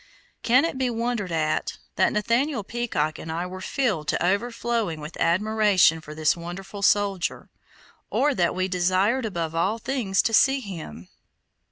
Can it be wondered at that Nathaniel Peacock and I were filled to overflowing with admiration for this wonderful soldier, or that we desired above all things to see him?